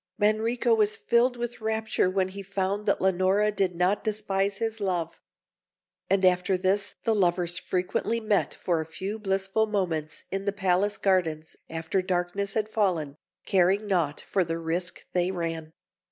Manrico was filled with rapture when he found that Leonora did not despise his love; and after this the lovers frequently met for a few blissful moments in the palace gardens after darkness had fallen, caring naught for the risk they ran.